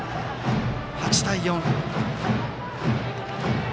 ８対４。